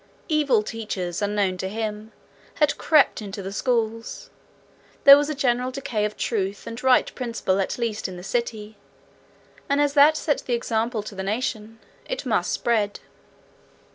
Evil teachers, unknown to him, had crept into the schools; there was a general decay of truth and right principle at least in the city; and as that set the example to the nation, it must spread.